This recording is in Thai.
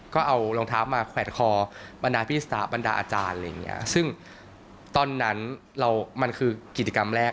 ก็เอารองเท้ามาแขวดคอบรรดาพี่สตาร์ทบรรดาอาจารย์ซึ่งตอนนั้นมันคือกิจกรรมแรก